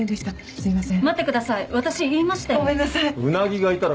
すみません！